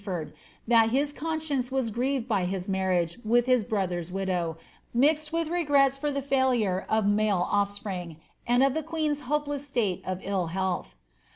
Laii^ford, that his conscience was grieved by his marriage with his brother^s widow, mixed with rcffrcta for the failure of male oflspring, and of the queen^s hopeless state of ill health.